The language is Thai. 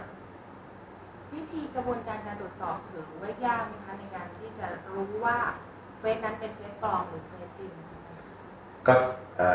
วิธีการการตรวจสอบถือว่ายากไหมคะในการที่จะรู้ว่าเฟสนั้นเป็นเฟสปลอมหรือเฟสจริง